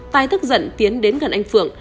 tài thức giận tiến đến gần anh phượng